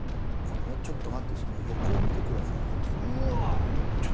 ちょっと待って、その横を見てくださいよ。